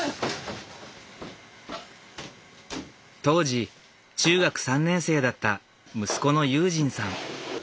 当時中学３年生だった息子の悠仁さん。